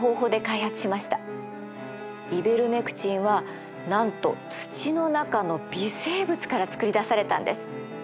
イベルメクチンはなんと土の中の微生物から作り出されたんです。